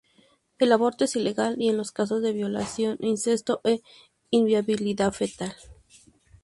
El aborto es ilegal en los casos de violación, incesto, e inviabilidad fetal.